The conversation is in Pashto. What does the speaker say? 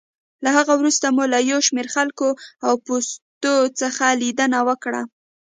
له هغه وروسته مو له یو شمېر خلکو او پوستو څخه لېدنه وکړه.